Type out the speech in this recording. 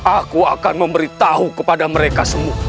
aku akan memberi tahu kepada mereka semua